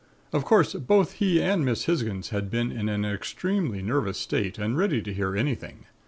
Of course, both he and Miss Hisgins had been in an extremely nervous state and ready to hear anything.